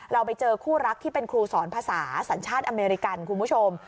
เราไปเจอคู่รักที่เป็นครูสอนภาษาสัญชาติอเมริกันคุณผู้ชม